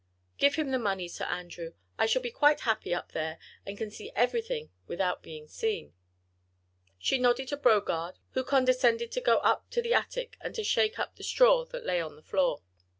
"Give him the money, Sir Andrew; I shall be quite happy up there, and can see everything without being seen." She nodded to Brogard, who condescended to go up to the attic, and to shake up the straw that lay on the floor.